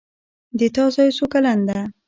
د تا زوی څو کلن ده